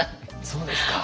そうですか！